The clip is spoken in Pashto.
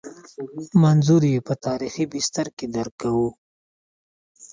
منظور یې په تاریخي بستر کې درک کوو.